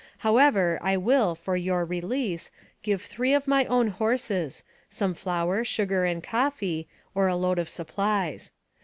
However, I will, for your release, give three of my own horses, some flour, sugar, and coffee, or a load of supplies.